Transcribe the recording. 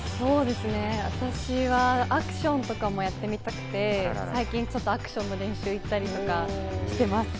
私はアクションとかもやってみたくて、最近アクションの練習してみたりとかしてます。